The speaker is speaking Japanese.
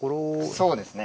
そうですね。